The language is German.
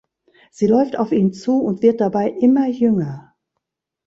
Sie läuft auf ihn zu und wird dabei immer jünger.